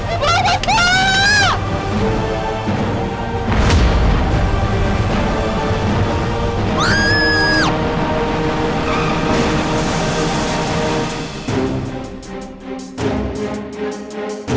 ibu aku takut